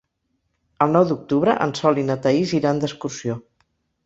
El nou d'octubre en Sol i na Thaís iran d'excursió.